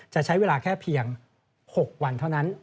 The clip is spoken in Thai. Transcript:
จะใช้เวลาแค่เพียง๖วันเท่านั้น